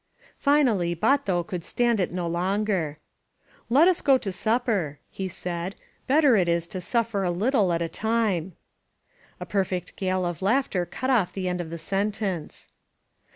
Finally Bato could stand it no longer. Let us go to supper," he said. "Better it is to suffer a little at a time!" A perfect gale of laughter cut off the end of the sentence.